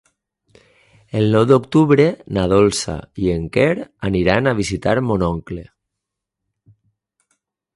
El nou d'octubre na Dolça i en Quer aniran a visitar mon oncle.